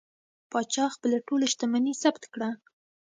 پاچا خپله ټوله شتمني ثبت کړه.